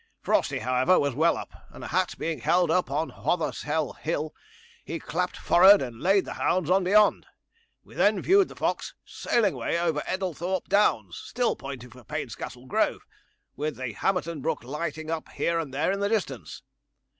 Frosty, however, was well up, and a hat being held up on Hothersell Hill, he clapped forrard and laid the hounds on beyond. We then viewed the fox sailing away over Eddlethorp Downs, still pointing for Painscastle Grove, with the Hamerton Brook lighting up here and there in the distance.